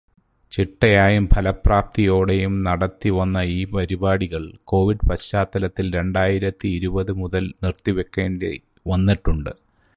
ചിട്ടയായും ഫലപ്രാപ്തിയോടെയും നടത്തി വന്ന ഈ പരിപാടികൾ കോവിഡ് പശ്ചാത്തലത്തിൽ രണ്ടായിരത്തിയിരുപത് മുതൽ നിർത്തിവയ്ക്കേണ്ടി വന്നിട്ടുണ്ട്.